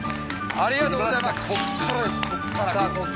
ありがとうございますきました